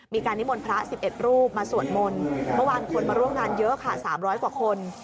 นิมนต์พระ๑๑รูปมาสวดมนต์เมื่อวานคนมาร่วมงานเยอะค่ะ๓๐๐กว่าคน